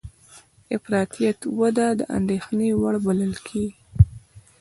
د افراطیت وده د اندېښنې وړ بللې